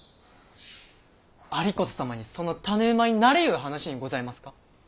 有功様にその種馬になれいう話にございますか。